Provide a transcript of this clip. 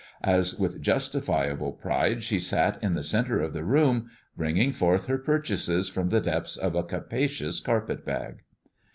as with justifiable pride she sat in the center of the room, bringing forth her purchases from the depths of a capacious carpetbag.